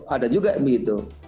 ada juga begitu